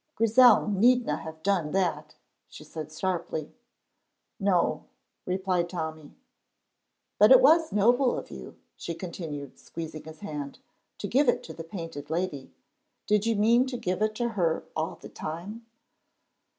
"Grizel needna have done that," she said, sharply. "No," replied Tommy. "But it was noble of you," she continued, squeezing his hand, "to give it to the Painted Lady. Did you mean to give it to her a' the time?"